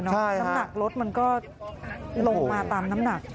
น้ำหนักรถมันก็ลงมาตามน้ำหนัก